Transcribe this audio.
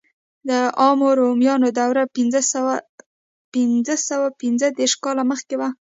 د عامو رومیانو دوره پنځه سوه پنځه دېرش کاله مخکې وه.